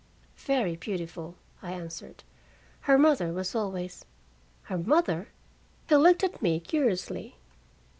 "Very beautiful," I answered. "Her mother was always " "Her mother!" He looked at me curiously.